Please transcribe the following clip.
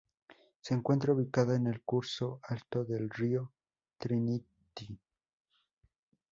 Se encuentra ubicada en el curso alto del río Trinity.